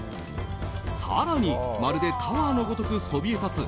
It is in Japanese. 更にまるでタワーのごとくそびえたつ